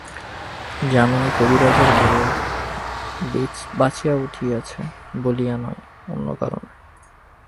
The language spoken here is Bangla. যামিনী কবিরাজের বৌ বাঁচিয়া উঠিয়াছে বলিয়া নয়, অন্য কারণে।